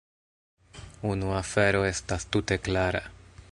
Unu afero estas tute klara.